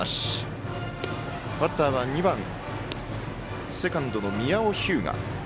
バッターは２番、セカンドの宮尾日向。